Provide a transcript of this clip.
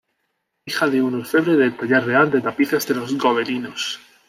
Hija de un orfebre del taller real de Tapices de Los Gobelinos.